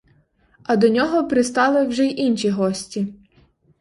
А до нього пристали вже й інші гості.